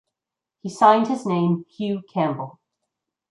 He signed his name "Hew Campbell".